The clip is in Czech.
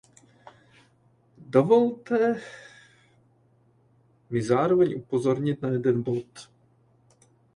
Dovolte mi zároveň upozornit na jeden bod.